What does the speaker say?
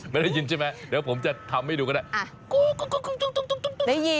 ไม่ได้ยินใช่ไหมเดี๋ยวผมจะทำให้ดูก็ได้